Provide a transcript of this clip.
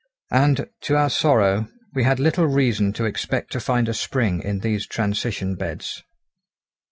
And, to our sorrow, we had little reason to expect to find a spring in these transition beds.